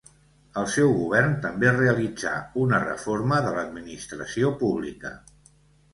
El seu govern també realitzà una reforma de l'administració pública.